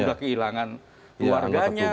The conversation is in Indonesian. sudah kehilangan keluarganya